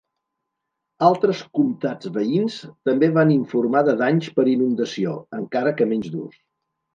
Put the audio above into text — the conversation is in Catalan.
Altres comtats veïns també van informar de danys per inundació, encara que menys durs.